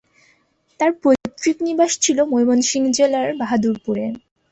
তাঁর পৈতৃক নিবাস ছিল ময়মনসিংহ জেলার বাহাদুরপুরে।